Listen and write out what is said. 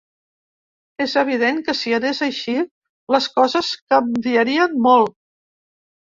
És evident que, si anés així, les coses canviaren molt.